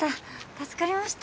助かりました